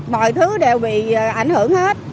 mọi thứ đều bị ảnh hưởng hết